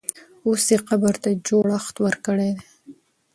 اوس یې قبر ته جوړښت ورکړی دی.